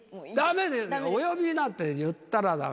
だめ、お呼びなんて言ったらだめ。